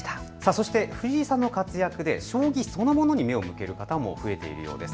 そして藤井さんの活躍で将棋そのものに目を向ける方も増えているようです。